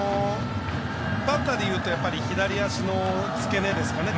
バッターでいうとやっぱり左足の付け根ですかね